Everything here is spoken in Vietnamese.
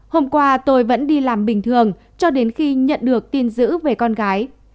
hôm qua tôi vẫn đi làm bình thường cho đến khi nhận được tin giữ về con gái